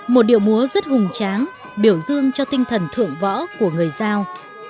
một điệu múa rất hùng tráng biểu dương cho tinh thần thượng võ của người giao